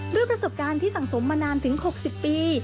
ด้วยประสบการณ์ที่สังสมมานานถึง๖๐ปี